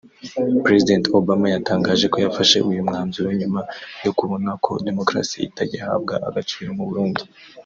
President Obama yatangaje ko yafashe uyu mwanzuro nyuma yo kubona ko demokarasi itagihabwa agaciro mu Burundi